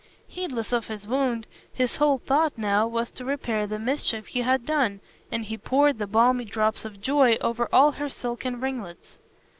Heedless of his wound, his whole thought now was to repair the mischief he had done, and he poured the balmy drops of joy over all her silken ringlets.